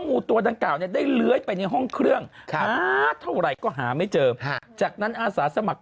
งูตัวดังกล่าเนี่ยได้เลื้อยไปในห้องเครื่องหาเท่าไหร่ก็หาไม่เจอจากนั้นอาสาสมัคร